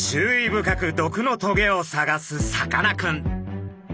深く毒のトゲを探すさかなクン。